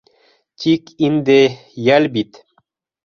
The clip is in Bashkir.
- Тик инде, йәл бит.